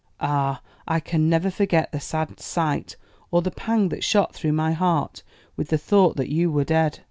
Ah, I can never forget the sad sight, or the pang that shot through my heart with the thought that you were dead.